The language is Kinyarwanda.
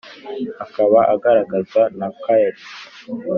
akaba agaragazwa na kali